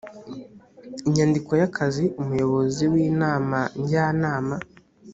inyandiko y akazi umuyobozi w inama njyanama